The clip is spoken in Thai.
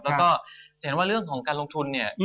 แล้วก็จะเห็นว่าเรื่องของการลงทุนเนี่ย